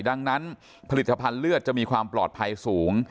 ดังนั้นผลิตภัณฑ์เลือดจะมีความปลอดภัยสูง